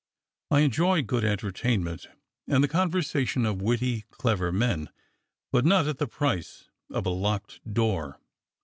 I enjoy good entertainment and the conversation of witty, clever men, but not at the price of a locked door."